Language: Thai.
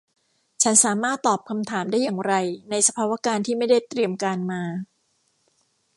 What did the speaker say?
ฉันสามารถตอบคำถามได้อย่างไรในสภาวการณ์ที่ไม่ได้เตรียมการมา